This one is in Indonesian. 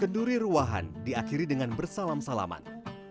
keduri ruahan diakhiri dengan bersalam salaman